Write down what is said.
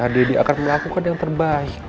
deddy akan melakukan yang terbaik